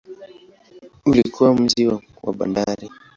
Ulikuwa mji wa bandari.